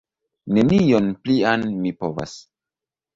Nenion plian mi povas!